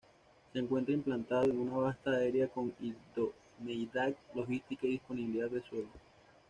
Se encuentra implantado en una vasta área con idoneidad logística y disponibilidad de suelo.